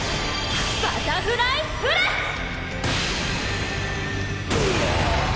バタフライプレス‼ドア！